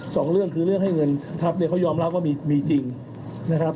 สองเรื่องคือเรื่องให้เงินทัพเนี่ยเขายอมรับว่ามีมีจริงนะครับ